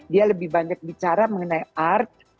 dia lebih banyak bicara mengenai art